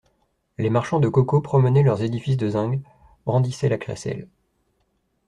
Les marchands de coco promenaient leurs édifices de zinc, brandissaient la crécelle.